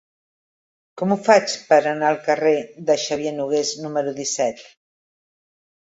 Com ho faig per anar al carrer de Xavier Nogués número disset?